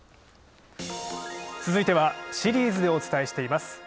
続いてはシリーズでお伝えしています